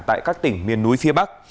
tại các tỉnh miền núi phía bắc